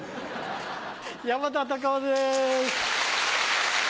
山田隆夫です。